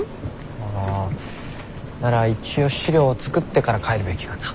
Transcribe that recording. ああなら一応資料作ってから帰るべきかな。